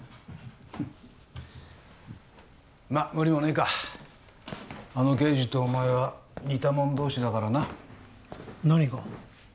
フンッまっ無理もねえかあの刑事とお前は似たもん同士だからな何が？